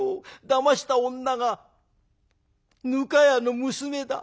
だました女がぬか屋の娘だ」。